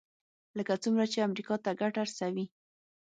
لکه څومره چې امریکا ته ګټه رسوي.